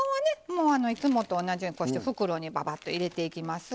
もうあのいつもと同じようにこうして袋にババッと入れていきます。